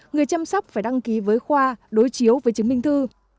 người chăm sóc phải đăng ký với khoa đối chiếu với chứng minh thư